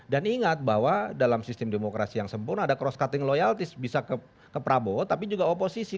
dan ingat bahwa dalam sistem demokrasi yang sempurna ada cross cutting loyaltis bisa ke prabowo tapi juga oposisi